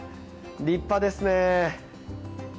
立派ですね。